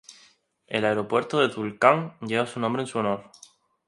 El aeropuerto de Tulcán lleva su nombre en su honor.